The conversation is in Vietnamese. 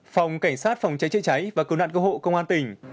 phòng cảnh sát phòng trái trữ trái và cứu nạn cơ hộ công an tỉnh